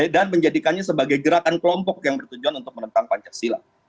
dan menjadikannya sebagai gerakan kelompok yang bertujuan untuk menentang pancasila